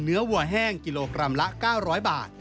วัวแห้งกิโลกรัมละ๙๐๐บาท